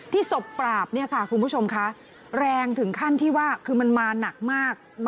ศพปราบเนี่ยค่ะคุณผู้ชมคะแรงถึงขั้นที่ว่าคือมันมาหนักมาก